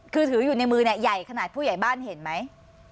คือถืออยู่ในมือเนี่ยใหญ่ขนาดผู้ใหญ่บ้านเห็นไหม